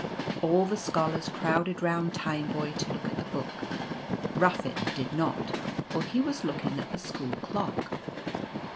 All the Scholars crowded round Tineboy to look at the book. Ruffin did not, for he was looking at the school clock.